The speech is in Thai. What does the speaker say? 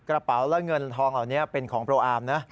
กระเป๋าและเงินทองเหล่านี้เป็นของโปรอาร์มนะ